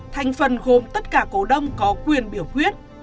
thành phần gồm tất cả cổ đông có quyền biểu quyết